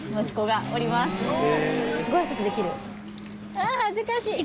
ああ恥ずかしい。